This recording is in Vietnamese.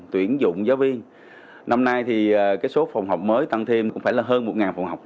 tuyển dụng giáo viên năm nay thì số phòng học mới tăng thêm cũng phải là hơn một phòng học